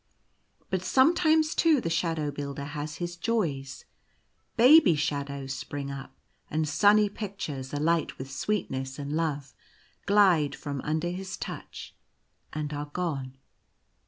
But sometimes too the Shadow Builder has his joys. Baby shadows spring up, and sunny pictures, alight with sweetness and love, glide from under his touch, and are gone.